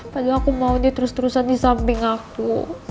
padahal aku mau ini terus terusan di samping aku